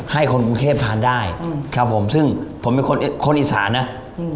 ให้คนกรุงเทพทานได้อืมครับผมซึ่งผมเป็นคนคนอีสานนะอืม